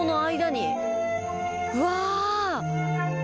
うわ。